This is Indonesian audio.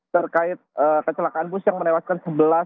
terkait kecelakaan bus yang menewaskan sebelas